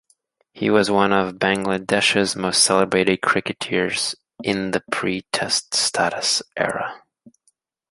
He was one of Bangladesh's most celebrated cricketers in the pre-Test-status era.